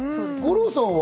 五郎さんは？